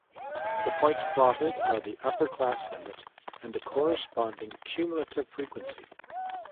The points plotted are the upper class limit and the corresponding cumulative frequency.